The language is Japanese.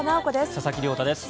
佐々木亮太です。